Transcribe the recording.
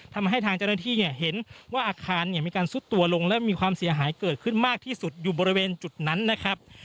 ทำให้ทางเจ้าหน้าที่เนี่ยเห็นว่าอาคารเนี่ยมีการซุดตัวลงและมีความเสียหายเกิดขึ้นมากที่สุดอยู่บริเวณจุดนั้นนะครับ